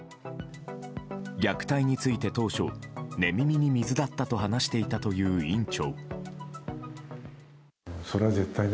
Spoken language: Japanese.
虐待について、当初寝耳に水だったと話していたという院長。